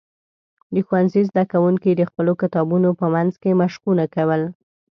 د ښوونځي زده کوونکي د خپلو کتابونو په منځ کې مشقونه کول.